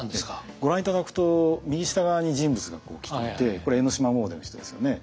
ご覧頂くと右下側に人物が来ててこれ江の島詣での人ですよね。